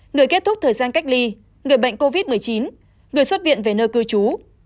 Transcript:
người kết thúc thời gian cách ly người bệnh covid một mươi chín người xuất viện về nơi cư trú